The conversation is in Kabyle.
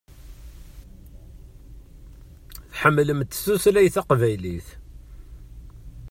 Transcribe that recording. Tḥemmlemt tutlayt taqbaylit.